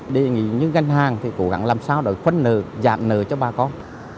đề nghị những ngân hàng cố gắng làm sao để phân nờ giảm nờ cho bà con